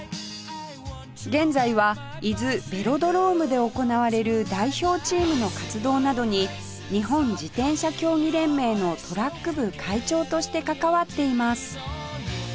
現在は伊豆ベロドロームで行われる代表チームの活動などに日本自転車競技連盟のトラック部会長として関わっています